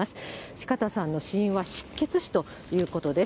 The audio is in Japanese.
四方さんの死因は失血死ということです。